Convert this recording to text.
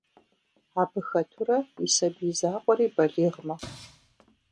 Абы хэтурэ и сабий закъуэри балигъ мэхъу.